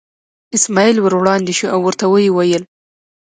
اسماعیل ور وړاندې شو او ورته یې وویل.